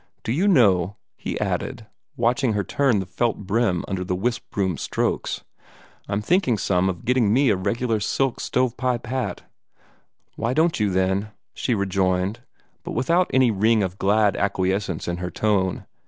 Do you know," he added, watching her turn the felt brim under the wisp broom's strokes, "I'm thinking some of getting me a regular silk stove pipe hat." "Why don't you, then?" she rejoined, but without any ring of glad acquiescence in her tone.